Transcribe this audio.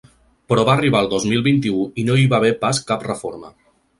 Però va arribar el dos mil vint-i-u i no hi va haver pas cap reforma.